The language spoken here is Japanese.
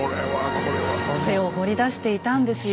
これを掘り出していたんですよ。